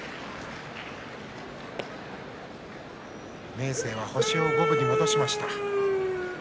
明生は星を五分に戻しました。